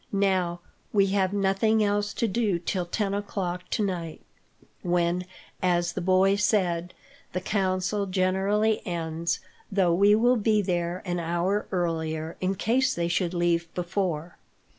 "Now we have nothing else to do till ten o'clock tonight, when, as the boy said, the council generally ends; though we will be there an hour earlier, in case they should leave before.